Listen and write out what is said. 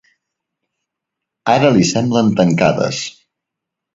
Ara li semblen tancades.